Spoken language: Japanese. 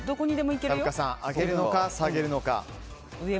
ふっかさん上げるのか下げるのか。